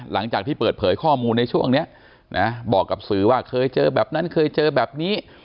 หลังจากที่เปิดเผยข้อมูลในช่วงนี้นะบอกกับสื่อว่าเคยเจอแบบนั้นเคยเจอแบบนี้